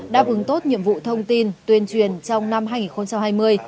đáp ứng tốt nhiệm vụ thông tin tuyên truyền trong năm hai nghìn hai mươi